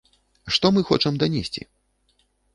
Што мы хочам данесці?!